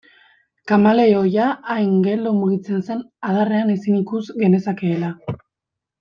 Kameleoia hain geldo mugitzen zen adarrean ezin ikus genezakeela.